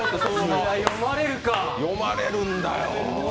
読まれるんだよ。